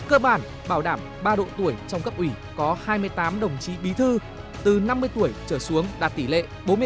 cơ bản bảo đảm ba độ tuổi trong cấp ủy có hai mươi tám đồng chí bí thư từ năm mươi tuổi trở xuống đạt tỷ lệ bốn mươi ba